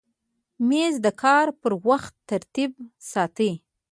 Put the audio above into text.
مېز د کار پر وخت ترتیب ساتي.